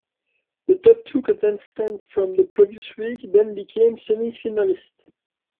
The top two contestants from the previous week then became "semi-finalists".